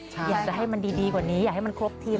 อยากได้ให้มันดีกว่านี้ให้มันครบทีม